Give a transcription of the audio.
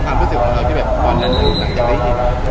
ความรู้สึกของเราที่แบบก่อนดันตรงนั้นอย่างได้ยิน